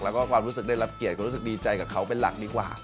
แล้วก็ความรู้สึกได้รับเกียรติก็รู้สึกดีใจกับเขาเป็นหลักดีกว่า